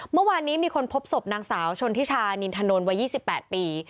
เมื่อวานนี้มีคนพบศพนางสาวชนทิชานินถนนวัย๒๘ปี